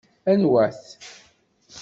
Anwa-t?